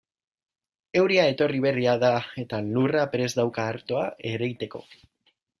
Euria etorri berria da eta lurra prest dauka artoa ereiteko.